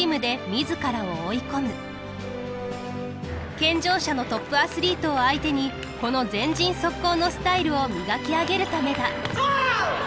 健常者のトップアスリートを相手にこの「前陣速攻」のスタイルを磨き上げるためだ。